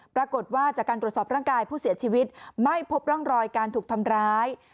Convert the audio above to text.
ปรากฏว่าจากการตรวจสอบร่างกายผู้เสียชีวิตไม่พบร่องรอยการถูกทำร้าย